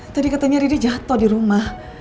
tadi katanya riri jatoh di rumah